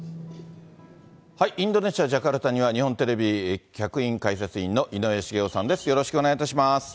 インドネシア・ジャカルタには、日本テレビ客員解説委員の井上茂男さんです。